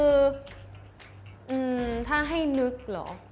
อืมถ้าให้นึกเหรอ